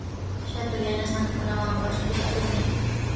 Shatu yanasankunawan washkuta upyan.